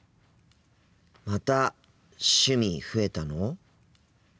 また趣味増えたの！？